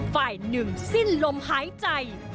ฝ่ายหนึ่งสิ้นลมหายใจ